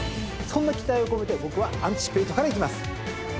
そんな期待を込めて僕はアンティシペイトからいきます。